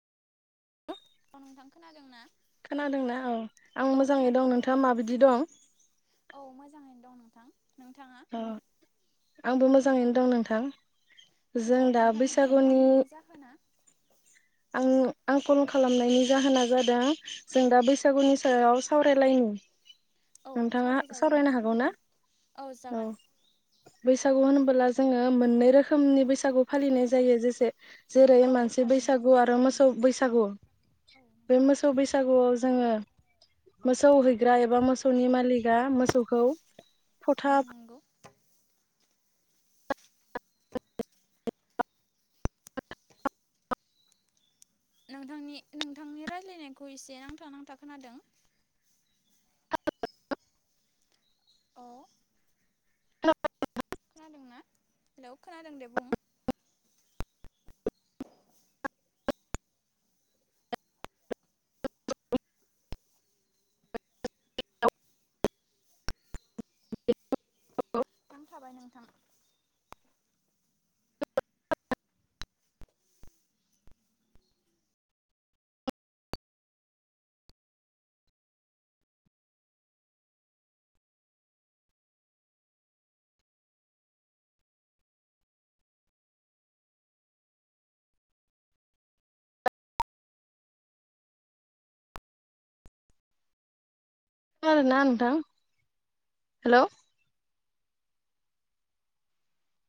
औ नोंथां खोनादों ना खोनादोंना औ आं औ मोजाङै खोनादों दं नोंथाङा थारैनो माबायदि दं औ मोजाङैनो दं नोंथां नोंथाङा अ आंबो मोजां जाङैनो दं नोंथां। अ जों दा नोंथांनि कल बैसागुनि खालामनायनि जाहोना उम आं कल खालामनायनि जाहोना जादों जों दा बैसागुनि सायाव सावरायलायनि औ नोंथाङा सावरायजायो सावरायनो नोंथां हागौ ना औ बैसागु होनबोला जोङो मोननै रोखोमनि बैसागु फालिनाय जायो जेसे जेरै औ मानसै थारैनो बैसागु गु आरो मोसौ बैसागु औ बे नंगौ मोसौ बैसागु आव जो जोङो मोसौ है ग्रा एबा मोसौनि मालिकआ मोसौखौ औ फथा नंगौ नोंथांनि नोंथांनि राय्लायनायखौ एसे नांथा नांथा खोनादों अ [inaudible] खोनादोंना हेलौ खोनादों दे बुं नांथाबाय नोंथां खोनादोंना नोंथां हेलौ